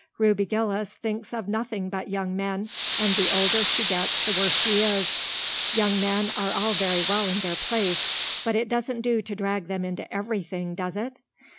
Ruby Gillis thinks of nothing but young men, and the older she gets the worse she is. Young men are all very well in their place, but it doesn't do to drag them into everything, does it?